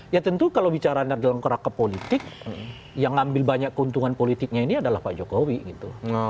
ya tentu kalau bicara dalam keraka politik yang ngambil banyak keuntungan politiknya ini adalah pak jokowi gitu